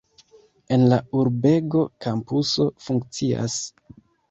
En la urbego kampuso funkcias.